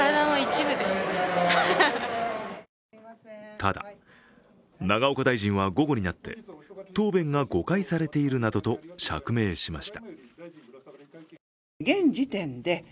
ただ、永岡大臣は午後になって、答弁が誤解されているなどと釈明しました。